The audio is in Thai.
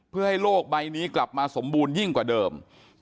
เพื่อให้โลกใบนี้กลับมาสมบูรณยิ่งกว่าเดิม